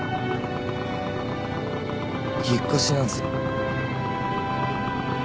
引っ越しなんすよ。